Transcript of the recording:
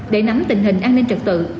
để nắm tình hình an ninh trật tự